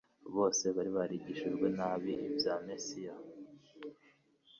bose bari barigishijwe nabi ibya Mesiya,